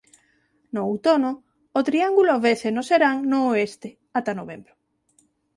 No outono o triángulo vese no serán no oeste ata novembro.